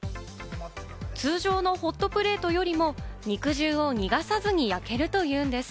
通常のホットプレートよりも肉汁を逃がさずに焼けるというんです。